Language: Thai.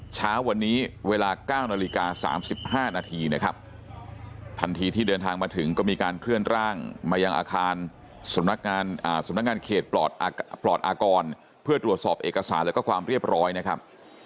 เช้าวันนี้เวลา๙นาฬิกา๓๕นาทีนะครับทันทีที่เดินทางมาถึงก็มีการเคลื่อนร่างมายังอาคารสำนักงานสำนักงานเขตปลอดอากรเพื่อตรวจสอบเอกสารแล้วก็ความเรียบร้อยนะครับ